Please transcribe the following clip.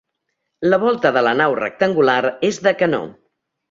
La volta de la nau rectangular és de canó.